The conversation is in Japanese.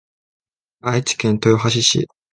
愛知県豊橋市